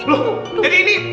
loh jadi ini